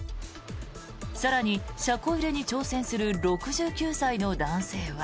更に、車庫入れに挑戦する６９歳の男性は。